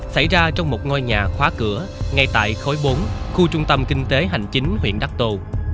xảy ra trong một ngôi nhà khóa cửa ngay tại khối bốn khu trung tâm kinh tế hành chính huyện đắc tô